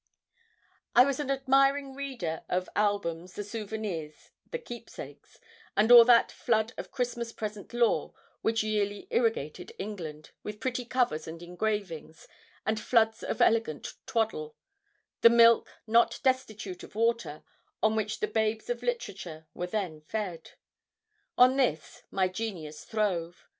I was an admiring reader of the Albums, the Souvenirs, the Keepsakes, and all that flood of Christmas present lore which yearly irrigated England, with pretty covers and engravings; and floods of elegant twaddle the milk, not destitute of water, on which the babes of literature were then fed. On this, my genius throve.